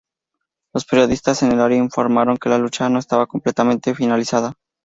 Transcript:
Los periodistas en el área informaron que la lucha no estaba completamente finalizada.